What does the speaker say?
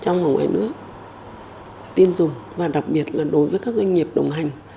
trong và ngoài nước tin dùng và đặc biệt là đối với các doanh nghiệp đồng hành